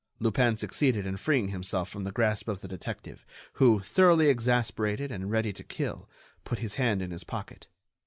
Lupin succeeded in freeing himself from the grasp of the detective, who, thoroughly exasperated and ready to kill, put his hand in his pocket.